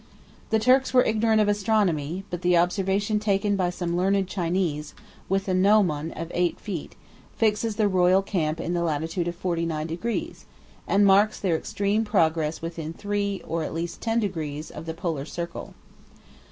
The Turks were ignorant of astronomy; but the observation taken by some learned Chinese, with a gnomon of eight feet, fixes the royal camp in the latitude of forty nine degrees, and marks their extreme progress within three, or at least ten degrees, of the polar circle.